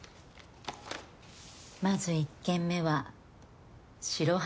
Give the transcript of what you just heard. まず１件目は白羽